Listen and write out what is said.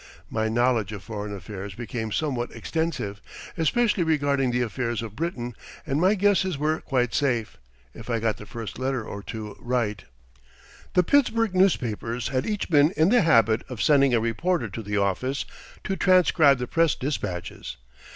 My knowledge of foreign affairs became somewhat extensive, especially regarding the affairs of Britain, and my guesses were quite safe, if I got the first letter or two right. The Pittsburgh newspapers had each been in the habit of sending a reporter to the office to transcribe the press dispatches.